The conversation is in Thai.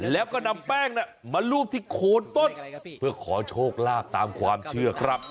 แล้วก็นำแป้งมารูปที่โคนต้นเพื่อขอโชคลาภตามความเชื่อครับ